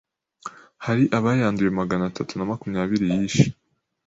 hari abayanduye magana tanu na makumyabiri yishe.